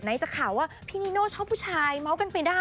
จะข่าวว่าพี่นิโน่ชอบผู้ชายเมาส์กันไปได้